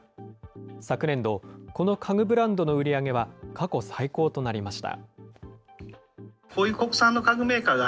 昨年度、この家具ブランドの売り上げは過去最高となりました。